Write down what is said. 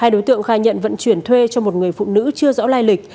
hai đối tượng khai nhận vận chuyển thuê cho một người phụ nữ chưa rõ lai lịch